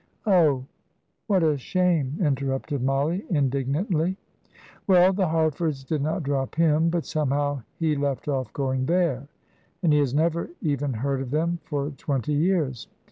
"Oh, what a shame!" interrupted Mollie, indignantly. "Well, the Harfords did not drop him, but somehow he left off going there; and he has never even heard of them for twenty years.